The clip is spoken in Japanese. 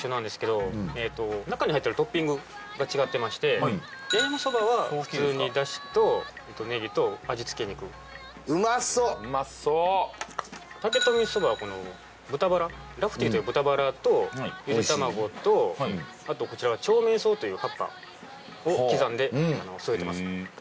中に入ってるトッピングが違ってまして八重山そばは普通にダシとねぎと味付け肉うまそううまそう竹富そばはこの豚バララフテーという豚バラとゆで卵とあとこちらは長命草という葉っぱを刻んで添えてます